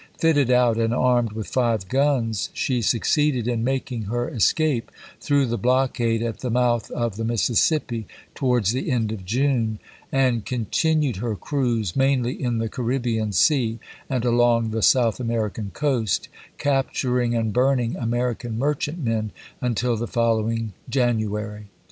Fitted out and armed with five guns, she succeeded in making her es cape through the blockade at the mouth of the HATTEKAS AND PORT EOYAL Mississippi, towards the end of June; and continued her cruise, mainly in the Caribbean Sea, and along the South American coast, capturing and burning American merchantmen, until the following Jan uary.